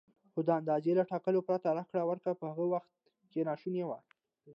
خو د اندازې له ټاکلو پرته راکړه ورکړه په هغه وخت کې ناشونې وه.